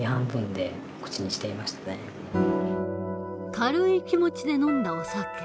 軽い気持ちで飲んだお酒。